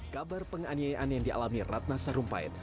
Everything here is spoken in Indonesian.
kabar penganiayaan yang dialami ratna sarumpait